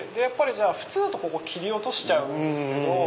普通だとここ切り落としちゃうんですけど。